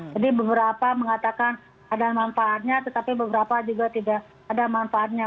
beberapa mengatakan ada manfaatnya tetapi beberapa juga tidak ada manfaatnya